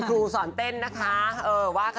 ดูเลยค่ะ